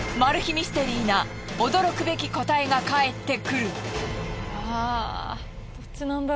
ミステリーな驚くべき答えが返ってくる。